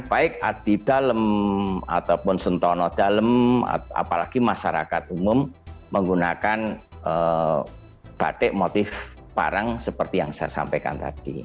baik di dalam ataupun sentono dalam apalagi masyarakat umum menggunakan batik motif parang seperti yang saya sampaikan tadi